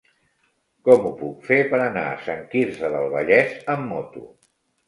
Com ho puc fer per anar a Sant Quirze del Vallès amb moto?